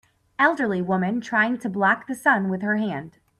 Elderly woman trying to block the sun with her hand.